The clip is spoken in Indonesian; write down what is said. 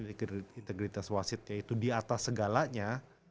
integritas wasitnya itu di atas segalanya